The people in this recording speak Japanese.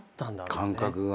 感覚がね。